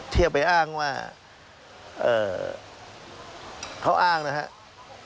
ที่จะไปอ้างว่าเขาอ้างนะครับ